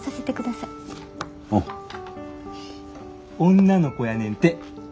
女の子やねんて。